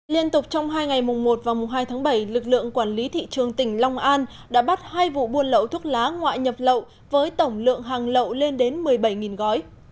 liên tục trong hai ngày mùng một và mùng hai tháng bảy lực lượng quản lý thị trường tỉnh long an đã bắt hai vụ buôn lậu thuốc lá ngoại nhập lậu với tổng lượng hàng lậu lên đến một mươi bảy gói